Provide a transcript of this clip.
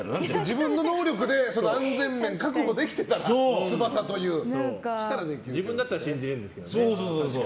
自分の能力で安全面確保できてたら自分だったら信じれるんですけどね。